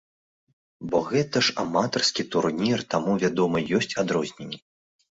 Бо гэта ж аматарскі турнір, таму вядома ёсць адрозненні.